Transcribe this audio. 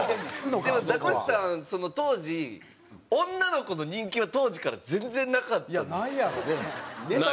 でもザコシさん当時女の子の人気は当時から全然なかったですよね？